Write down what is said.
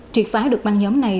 triệt phái được băng nhóm này